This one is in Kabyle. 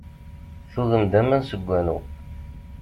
Tugem-d aman seg wanu.